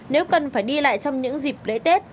nếu cần phải đi lại trong những dịp lễ tết